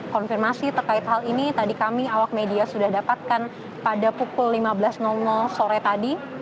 konfirmasi terkait hal ini tadi kami awak media sudah dapatkan pada pukul lima belas sore tadi